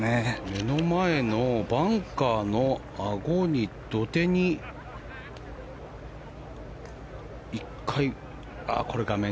目の前のバンカーのあごに土手に１回。